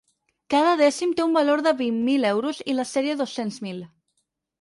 Cada dècim té un valor de vint mil euros i la sèrie dos-cents mil.